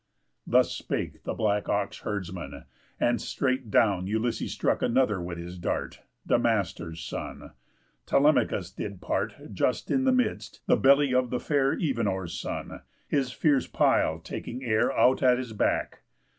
Thus spake the black ox herdsman; and straight down Ulysses struck another with his dart— Damastor's son. Telemachus did part, Just in the midst, the belly of the fair Evenor's son; his fierce pile taking air Out at his back.